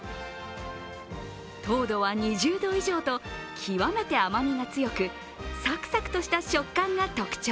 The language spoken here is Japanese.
糖度は２０度以上と極めて甘みが強くサクサクとした食感が特徴。